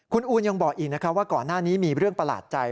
คุณอูนยังบอกอีกนะคะว่าก่อนหน้านี้มีเรื่องประหลาดใจ